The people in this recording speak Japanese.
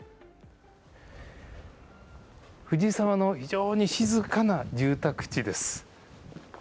藤沢の非常に静かな住宅地です。